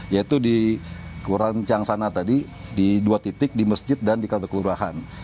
yaitu di kelurahan changsana tadi di dua titik di masjid dan di kantor kelurahan